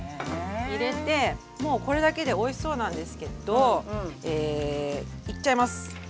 入れてもうこれだけでおいしそうなんですけどいっちゃいます。